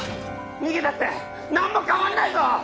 逃げたって何も変わんないぞ！